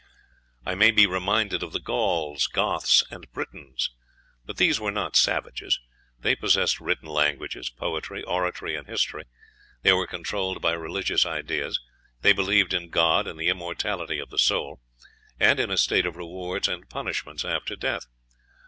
I may be reminded of the Gauls, Goths, and Britons; but these were not savages, they possessed written languages, poetry, oratory, and history; they were controlled by religious ideas; they believed in God and the immortality of the soul, and in a state of rewards and punishments after death.